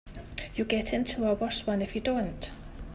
You'll get into a worse one if you don't.